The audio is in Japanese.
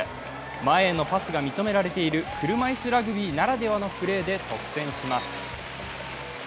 前へのパスが認められている車いすラグビーならではのプレーで得点します。